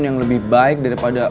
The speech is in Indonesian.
yang lebih baik daripada